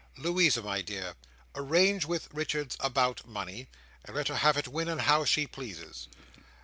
Louisa, my dear, arrange with Richards about money, and let her have it when and how she pleases.